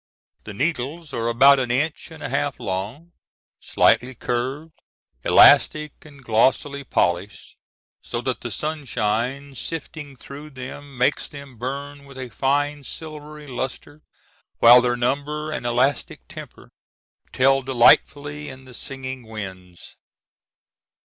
The needles are about an inch and a half long, slightly curved, elastic, and glossily polished, so that the sunshine sifting through them makes them burn with a fine silvery luster, while their number and elastic temper tell delightfully in the singing winds.